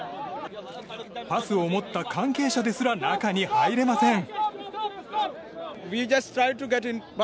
パスを待った関係者ですら中に入れません。